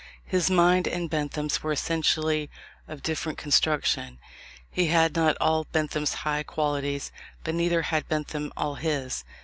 His mind and Bentham's were essentially of different construction. He had not all Bentham's high qualities, but neither had Bentham all his.